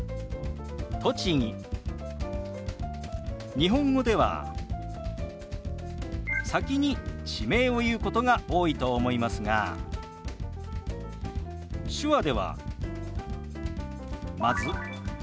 日本語では先に地名を言うことが多いと思いますが手話ではまず「生まれ」。